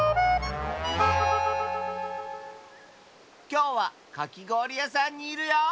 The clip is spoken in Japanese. きょうはかきごおりやさんにいるよ！